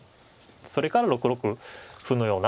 それから６六歩のような。